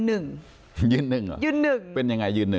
ยืน๑หรอยืน๑ยืนยังไงยืน๑